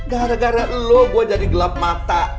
gara gara lo gue jadi gelap mata